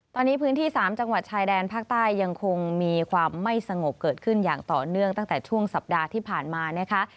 ตอนนี้พื้นที่๓จังหวัดชายแดนภาคใต้ยังคงมีความไม่สงบเกิดขึ้นอย่างต่อเนื่องตั้งแต่ช่วงสัปดาห์ที่ผ่านมานะคะ